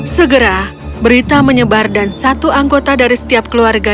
segera berita menyebar dan satu anggota dari setiap keluarga